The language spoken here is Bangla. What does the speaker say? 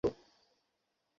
আর তুমি আমাকে মেরে ফেলেছ।